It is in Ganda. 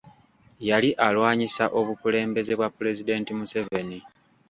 Yali alwanyisa obukulembeze bwa Pulezidenti Museveni.